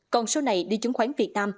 còn số này đi chứng khoán việt nam